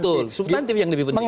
betul subtantif yang lebih penting